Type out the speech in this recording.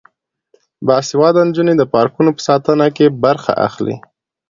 باسواده نجونې د پارکونو په ساتنه کې برخه اخلي.